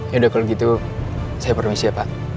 yaudah kalau gitu saya permisi ya pak